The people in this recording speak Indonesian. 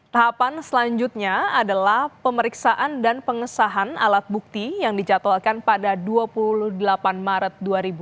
tahapan selanjutnya adalah pemeriksaan dan pengesahan alat bukti yang dicatalkan pada dua puluh delapan maret dua ribu dua puluh